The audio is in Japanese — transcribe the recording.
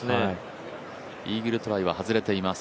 イーグルトライは外れています。